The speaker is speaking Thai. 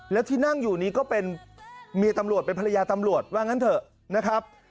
แล้วที่นั่งอยู่นี้ก็เป็นเมียตำรวจเป็นภรรยาตำรวจว่างั้นเถอะนะครับ